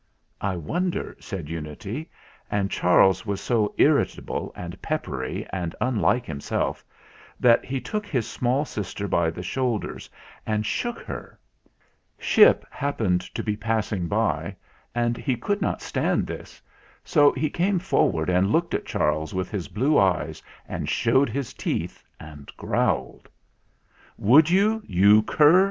"I wonder," said Unity; and Charles was so THE RECOVERY OF MR. JAGO 171 irritable and peppery and unlike himself, that he took his small sister by the shoulders and shook her. Ship happened to be passing by, and he could not stand this, so he came forward and looked at Charles with his blue eyes and showed his teeth and growled. "Would you, you cur!"